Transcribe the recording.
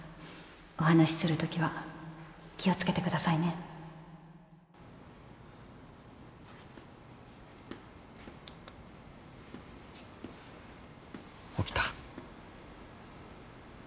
お話しするときは気を付けてくださいね起きた？